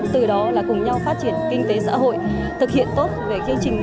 từ đó là cùng nhau phát triển kinh tế xã hội thực hiện tốt về chương trình